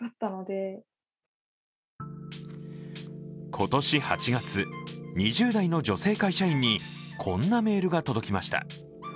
今年８月、２０代の女性会社員にこんなメールが届きました。